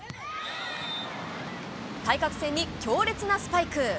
対角線に強烈なスパイク。